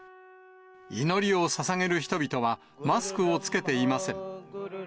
祈りをささげる人々は、マスクを着けていません。